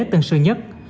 tân sư nhất